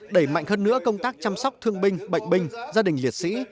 đẩy mạnh hơn nữa công tác chăm sóc thương binh bệnh binh gia đình liệt sĩ